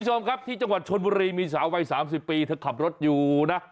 คุณผู้ชมครับที่จังหวัดชนบุรีมีสาววัย๓๐ปีเธอขับรถอยู่นะ